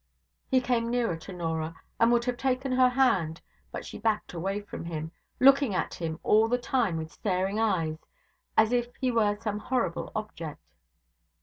He came nearer to Norah, and would have taken her hand; but she backed away from him; looking at him all the time with staring eyes, as if he were some horrible object.